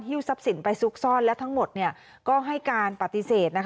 ทรัพย์สินไปซุกซ่อนและทั้งหมดก็ให้การปฏิเสธ